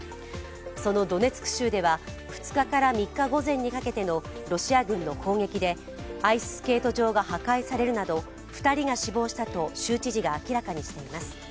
そのドネツク州では、２日から３日午前にかけてのロシア軍の砲撃でアイススケート場が破壊されるなと２人が死亡したと州知事が明らかにしています。